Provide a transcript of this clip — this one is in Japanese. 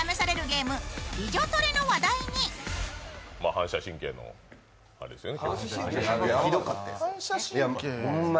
反射神経のあれですよね。